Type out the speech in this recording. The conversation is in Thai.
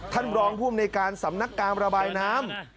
ท่านรองภูมิในการสำนักการระบายน้ำ